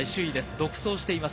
独走しています。